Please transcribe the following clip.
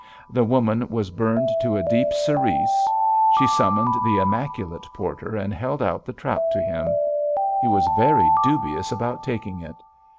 The woman was burned to a deep cerise. She summoned the immaculate porter and held out the trout to him. He was very dubious about taking it.